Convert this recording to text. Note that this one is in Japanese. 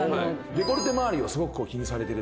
デコルテまわりをすごく気にされてる。